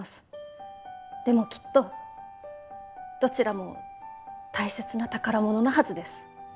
でもきっとどちらも大切な宝物なはずです。